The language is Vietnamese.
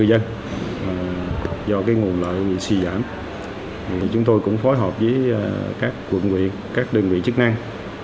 do cái nguồn lợi bị suy giảm chúng tôi cũng phối hợp với các quận huyện các đơn vị chức năng